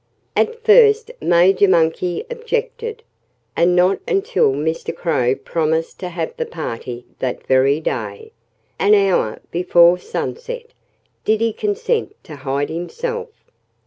At first Major Monkey objected. And not until Mr. Crow promised to have the party that very day an hour before sunset did he consent to hide himself.